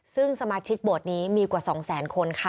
ซึ่งสมาชิกโบสถ์นี้มีกว่า๒แสนคนค่ะ